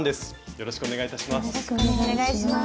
よろしくお願いします。